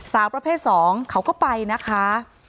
สาวประเภท๒เขาก็ไปนะคะ